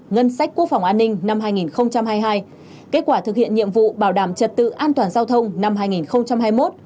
ngân sách quốc phòng an ninh năm hai nghìn hai mươi hai kết quả thực hiện nhiệm vụ bảo đảm trật tự an toàn giao thông năm hai nghìn hai mươi một